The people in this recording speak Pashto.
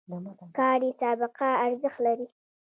کاري سابقه ارزښت لري